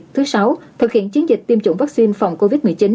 thứ sáu thực hiện chiến dịch tiêm chủng vaccine phòng covid một mươi chín